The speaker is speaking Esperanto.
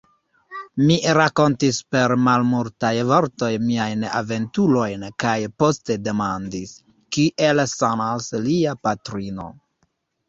Mi rankontis per malmultaj vortoj miajn aventurojn kaj poste demandis, kiel sanas lia patrino.